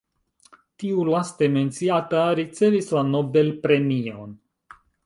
Tiu laste menciata ricevis la Nobel Premion.